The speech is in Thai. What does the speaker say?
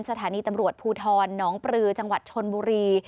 สถานีตำรวจภูทรน้องปลือจังหวัดชนบุรี